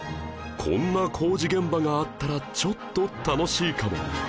こんな工事現場があったらちょっと楽しいかも